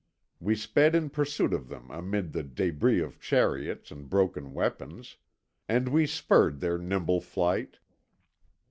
We sped in pursuit of them amid the débris of chariots and broken weapons, and we spurred their nimble flight.